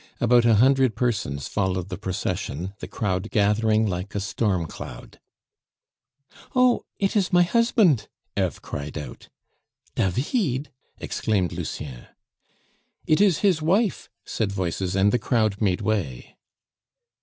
About a hundred persons followed the procession, the crowd gathering like a storm cloud. "Oh! it is my husband!" Eve cried out. "David!" exclaimed Lucien. "It is his wife," said voices, and the crowd made way.